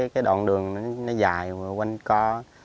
cái đoạn đường nó dài quanh co